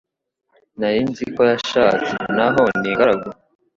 Narinziko yashatse naho ni ingaragu